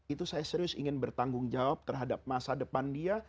itu saya serius ingin bertanggung jawab terhadap masa depan dia